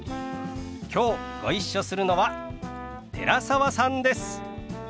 きょうご一緒するのは寺澤さんです。